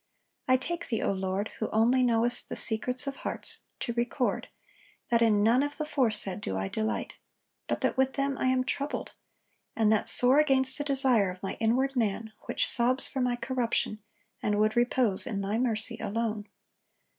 I take Thee, O Lord, who only knowest the secrets of hearts, to record, that in none of the foresaid do I delight; but that with them I am troubled, and that sore against the desire of my inward man, which sobs for my corruption, and would repose in Thy mercy alone.